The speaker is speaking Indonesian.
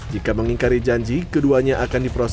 jika mengingkari janji keduanya akan diproses